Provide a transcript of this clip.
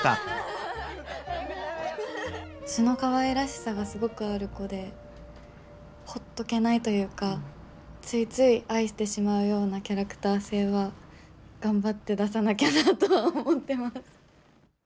素のかわいらしさがすごくある子でほっとけないというかついつい愛してしまうようなキャラクター性は頑張って出さなきゃなとは思ってます。